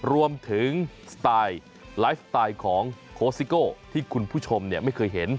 สไตล์ไลฟ์สไตล์ของโค้ซิโก้ที่คุณผู้ชมไม่เคยเห็น